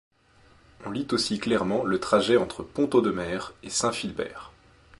On lit aussi clairement le trajet entre Pont-Audemer et Saint-Philbert.